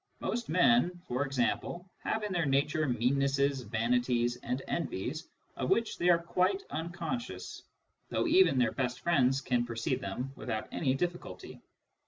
Most men, for example, have in their nature meannesses, vanities, and envies of which they are quite unconscious, though even their best friends can perceive them without any difficulty.